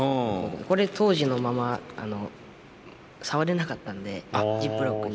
これ当時のまま触れなかったのでジップロックに入って。